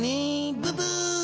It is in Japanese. ブブー。